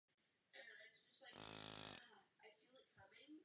Obyvatelstvo se tradičně živilo zemědělstvím.